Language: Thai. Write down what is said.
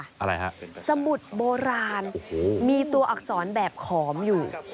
อะไรฮะสมุดโบราณโอ้โหมีตัวอักษรแบบขอมอยู่